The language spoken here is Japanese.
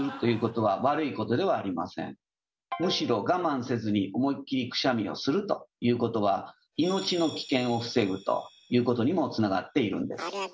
むしろ我慢せずに思いっきりくしゃみをするということは命の危険を防ぐということにもつながっているんです。